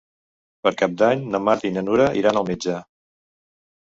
Per Cap d'Any na Marta i na Nura iran al metge.